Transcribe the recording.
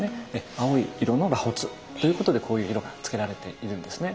青い色の螺髪ということでこういう色がつけられているんですね。